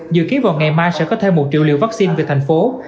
dự kiến vào ngày mai sẽ có thêm một triệu liều vaccine về thành phố